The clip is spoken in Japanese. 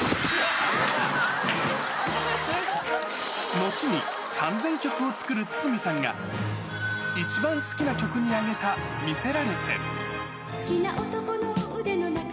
後に３０００曲を作る筒美さんが、一番好きな曲に挙げた魅せられて。